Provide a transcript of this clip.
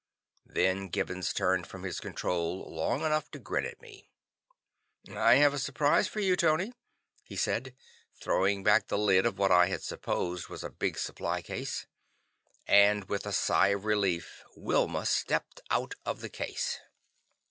Then Gibbons turned from his control long enough to grin at me. "I have a surprise for you, Tony," he said, throwing back the lid of what I had supposed was a big supply case. And with a sigh of relief, Wilma stepped out of the case.